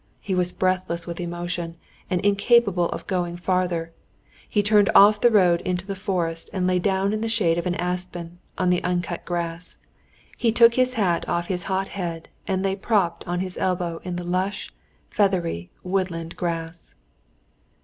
He was breathless with emotion and incapable of going farther; he turned off the road into the forest and lay down in the shade of an aspen on the uncut grass. He took his hat off his hot head and lay propped on his elbow in the lush, feathery, woodland grass.